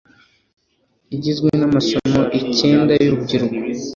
igizwe n'amasomo icyenda y'urubyiruko